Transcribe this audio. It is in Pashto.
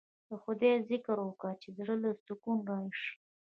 د خداى ذکر وکه چې زړه له دې سکون رايشي.